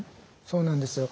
そうなんですよ。